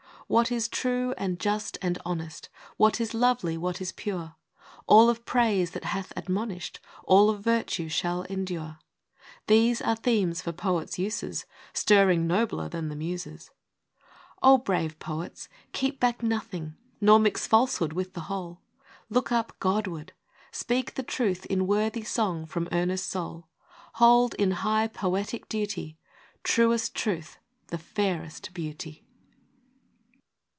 What is true and just and honest, What is lovely, what is pure, — All of praise that hath admonish'd, All of virtue, shall endure, — These are themes for poets' uses, Stirring nobler than the Muses. O brave poets, keep back nothing ; Nor mix falsehood with the whole ! Look up Godward! speak the truth in Worthy song from earnest soul ! Hold, in high poetic duty, Truest Truth the fairest Beauty!